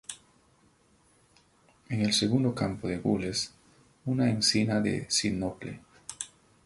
En el segundo campo de gules una encina de sinople.